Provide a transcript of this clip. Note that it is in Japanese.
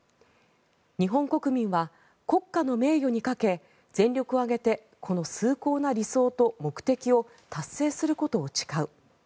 日本国民は国家の名誉にかけ全力を挙げてこの崇高な理想と目的を達成することを誓う。